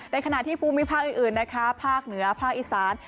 ขณะที่ภูมิภาคอื่นนะคะภาคเหนือภาคอีสาน